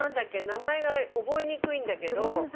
名前が覚えにくいんだけど。